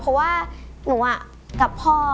เพราะว่าหนูกับพ่อ